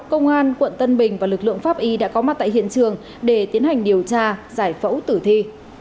công an quận tân bình và lực lượng pháp y đã có mặt tại hiện trường để tiến hành điều tra giải phẫu tử thi